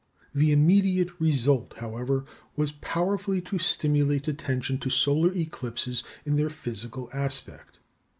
The immediate result, however, was powerfully to stimulate attention to solar eclipses in their physical aspect.